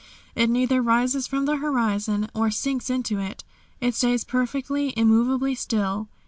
It neither rises from the horizon or sinks into it. It stays perfectly, immovably still.